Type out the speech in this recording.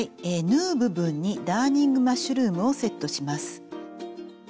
縫う部分にダーニングマッシュルームをセットします。